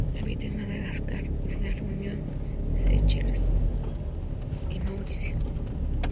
Habita en Madagascar, isla Reunión, Seychelles y Mauricio.